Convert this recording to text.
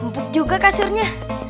empuk juga kasurnya